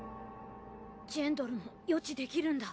ジェンドルも予知できるんだ。